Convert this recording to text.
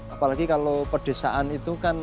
apalagi kalau pedesaan itu kan masih punya lahan yang luas